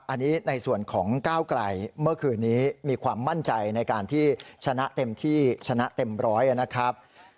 อันนี้ในส่วนของก้าวไกลเมื่อคืนนี้มีความมั่นใจในการที่ชนะเต็มที่ชนะเต็มร้อยนะครับ